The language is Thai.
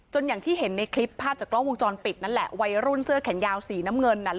อย่างที่เห็นในคลิปภาพจากกล้องวงจรปิดนั่นแหละวัยรุ่นเสื้อแขนยาวสีน้ำเงินน่ะ